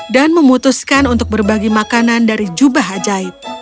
dan memutuskan untuk berbagi makanan dari jubah ajaib